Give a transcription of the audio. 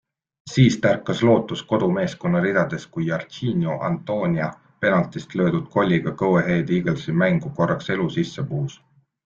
Siis tärkas lootus kodumeeskonna ridades, kui Jarchinio Antonia penaltist löödud kolliga Go Ahead Eaglesi mängu korraks elu sisse puhus.